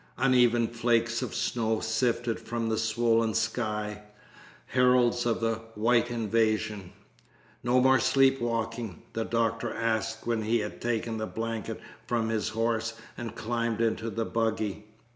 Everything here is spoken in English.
Uneven flakes of snow sifted from the swollen sky, heralds of a white invasion. "No more sleep walking?" the doctor asked when he had taken the blanket from his horse and climbed into the buggy.